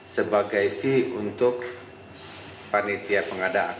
sebagai fee untuk panitia pengadaan